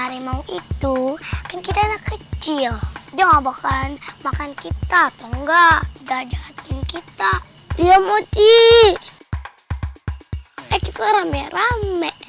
harimau itu kita kecil jangan bakalan makan kita atau enggak jajatin kita dia mochi ekstra rame rame